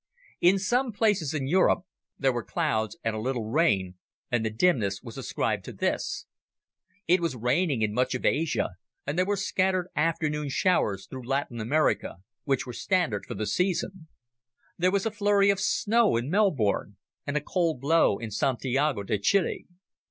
In some places in Europe, there were clouds and a little rain, and the dimness was ascribed to this. It was raining in much of Asia, and there were scattered afternoon showers throughout Latin America, which were standard for the season. There was a flurry of snow in Melbourne and a cold blow in Santiago de Chile.